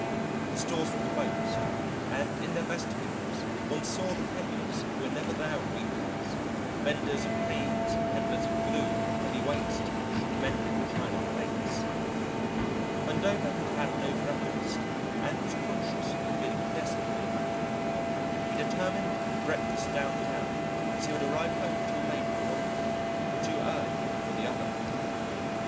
The stores were closed and in their vestibules one saw the peddlers who were never there on week days, venders of canes and peddlers of glue with heavy weights attached to mended china plates. Vandover had had no breakfast and was conscious of feeling desperately hungry. He determined to breakfast downtown, as he would arrive home too late for one meal and too early for the other.